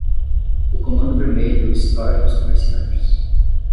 O comando vermelho extorque os comerciantes.